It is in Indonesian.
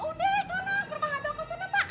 udah sana pak handoko sana pak